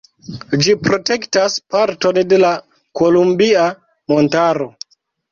Ĝi protektas parton de la Kolumbia Montaro.